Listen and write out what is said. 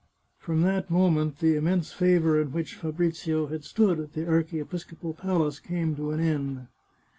From that moment the immense favour in which Fabrizio had stood at the archiepiscopal palace came to an end.